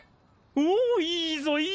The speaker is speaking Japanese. おいいぞいいぞ！